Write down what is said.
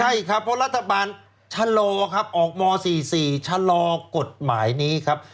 ใช่ครับเพราะรัฐบาลชะลอครับออกม๔๔ชะลอกฎหมายนี้ครับ